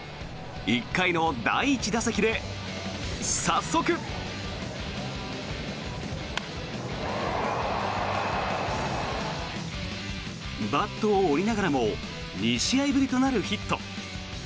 １回の第１打席で、早速。バットを折りながらも２試合ぶりとなるヒット。